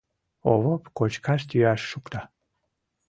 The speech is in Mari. Овоп кочкаш-йӱаш шукта.